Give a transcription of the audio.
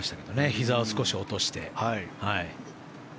ひざを少し落として。